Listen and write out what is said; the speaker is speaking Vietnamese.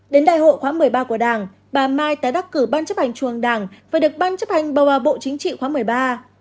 đến đại hội khóa một mươi ba của đảng bà mai tái đắc cử ban chấp hành trung ấn đảng và được ban chấp hành bao vào bộ chính trị khóa một mươi ba